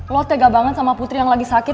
lo tega banget sama putri yang lagi sakit